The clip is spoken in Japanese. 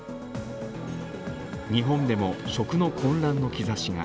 日本でも食の混乱の兆しが。